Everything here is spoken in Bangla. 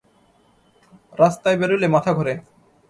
রাস্তায় বেরুলে মাথা ঘোরে।